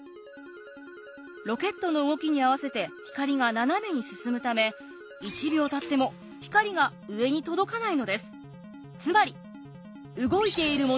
ロケットの動きに合わせて光が斜めに進むため１秒たっても光が上に届かないのです。